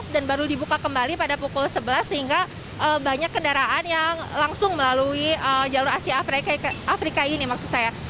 dan baru dibuka kembali pada pukul sebelas sehingga banyak kendaraan yang langsung melalui jalur asia afrika ini maksud saya